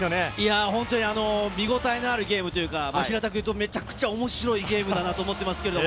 見応えのあるゲームというか、めちゃくちゃ面白いゲームだと思っています。